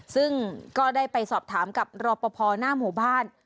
ซึ่งก็ได้ไปสอบถามกับรอปภหน้าหมู่บ้าน